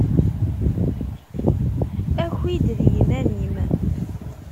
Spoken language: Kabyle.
Aki-d d yiman-im!